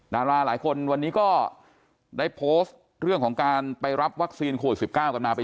ดาราหลายคนวันนี้ก็ได้โพสต์เรื่องของการไปรับวัคซีนโควิด๑๙กันมา